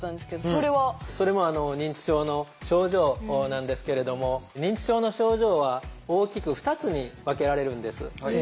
それも認知症の症状なんですけれども認知症の症状は大きく２つに分けられるんです。